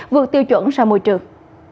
vượt tiêu chuẩn sang môi trường